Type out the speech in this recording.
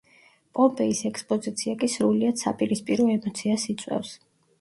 პომპეის ექსპოზიცია კი სრულიად საპირისპირო ემოციას იწვევს.